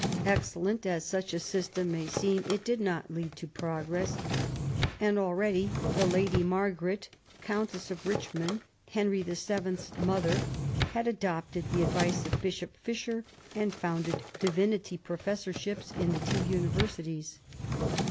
Excellent as such a system may seem, it did not lead to progress, and already the Lady Margaret, Countfess of Eichmond, Henry VII.'s mother, had adopted the ad vice of Bishop Fisher, and founded divinity professor ships in the two universities.